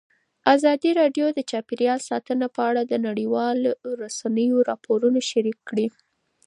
ازادي راډیو د چاپیریال ساتنه په اړه د نړیوالو رسنیو راپورونه شریک کړي.